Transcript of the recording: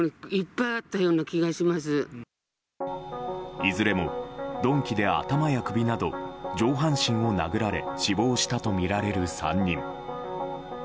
いずれも鈍器で頭や首など上半身を殴られ死亡したとみられる３人。